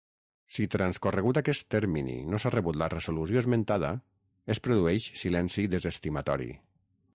Si transcorregut aquest termini no s'ha rebut la resolució esmentada, es produeix silenci desestimatori.